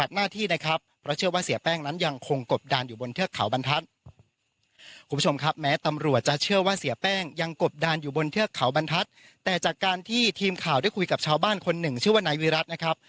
แต่จากการที่ทีมข่าวได้คุยกับชาวบ้านคนหนึ่งชื่อว่าไนวิรัตนะครับ